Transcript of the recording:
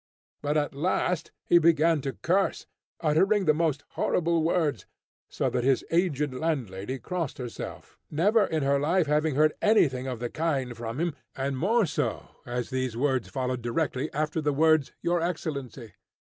but at last he began to curse, uttering the most horrible words, so that his aged landlady crossed herself, never in her life having heard anything of the kind from him, and more so as these words followed directly after the words "your excellency."